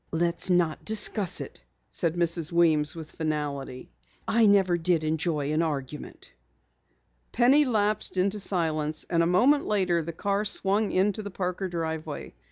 "Let's not discuss it," said Mrs. Weems with finality. "I never did enjoy an argument." Penny lapsed into silence and a moment later the car swung into the Parker driveway.